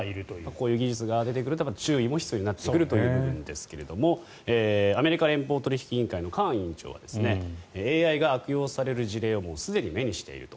こういう技術が出てくると注意も必要になってくると思うんですがアメリカ連邦取引委員会のカーン委員長はＡＩが悪用される事例をすでに目にしていると。